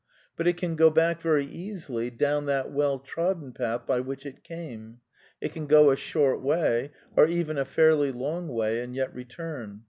But it can go back very easily down that well trodden path by which it came. It can go a short way, or even a fairly long way and yet return.